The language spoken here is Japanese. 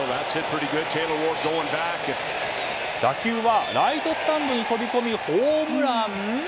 打球はライトスタンドに飛び込みホームラン。